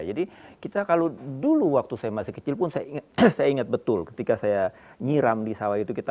jadi kita kalau dulu waktu saya masih kecil pun saya ingat betul ketika saya nyiram di sawah itu